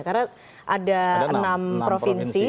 karena ada enam provinsi